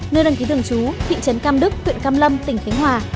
nơi đăng ký thưởng chú thị trấn cam đức huyện cam lâm tỉnh thánh hòa